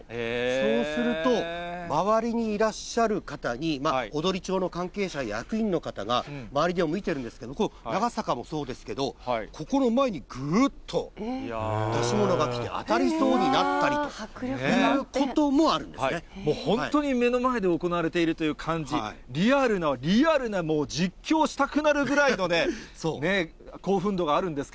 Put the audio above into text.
そうすると、周りにいらっしゃる方に、踊町の関係者や役員の方が、周りで見てるんですけれども、長坂もそうですけど、ここの前にぐっと出し物が来て当たりそうになったりということももう本当に目の前で行われているという感じ、リアルなリアルな実況したくなるぐらいの興奮度があるんです